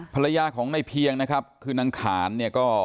ภรรยาของในเพียงนะครับคือนางขานเนี่ยก็